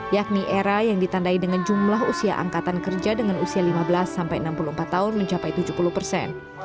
yakni era yang ditandai dengan jumlah usia angkatan kerja dengan usia lima belas sampai enam puluh empat tahun mencapai tujuh puluh persen